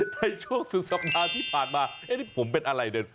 ในช่วงสุดสัปดาห์ที่ผ่านมานี่ผมเป็นอะไรเดิน